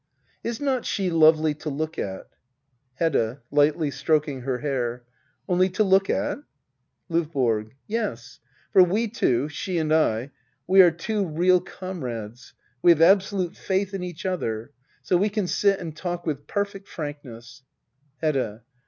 ] Is not she lovely to look at ? Hedda. [Lightly stroking her hain^ Only to look at ? LdVBORO. Yes. For we two — she and I — we are two real comrades. We have absolute faith in each other ; so we can sit and talk with perfect frankness Hedda.